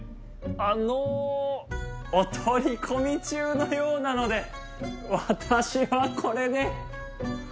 あのお取り込み中のようなので私はこれで。